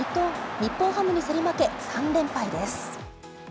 日本ハムに競り負け、３連敗です。